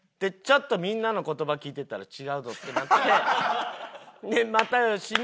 みんなの言葉聞いてたら違うぞってなって。